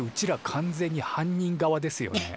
完全に犯人側ですよね？